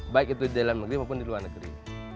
baik itu di dalam negeri maupun di luar negeri